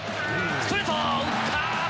ストレート打った。